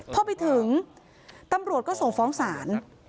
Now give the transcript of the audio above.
พอไปถึงตำรวจก็ส่งฟ้องศาล